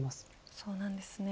そうなんですね。